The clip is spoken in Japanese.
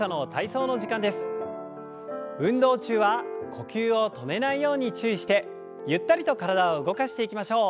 運動中は呼吸を止めないように注意してゆったりと体を動かしていきましょう。